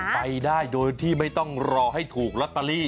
ไปได้โดยที่ไม่ต้องรอให้ถูกลอตเตอรี่